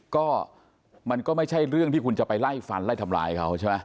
ก็มันก็ไม่ใช่เรื่องที่คุณจะไปไล่ฟันไล่ทำร้ายเขาใช่ไหม